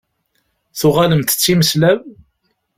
Tuɣalemt d timeslab?